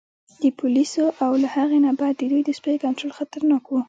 د پولیسو او له هغې نه بد د دوی د سپیو کنترول خطرناک و.